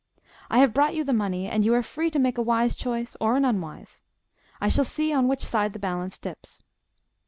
I have brought you the money, and you are free to make a wise choice or an unwise: I shall see on which side the balance dips.